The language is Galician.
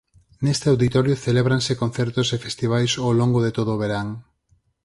Neste auditorio celébranse concertos e festivais ao longo de todo o verán.